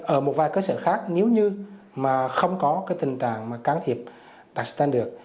ở một vài cơ sở khác nếu như mà không có cái tình trạng mà can thiệp đặt standard